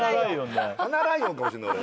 ハナライオンかもしれない俺。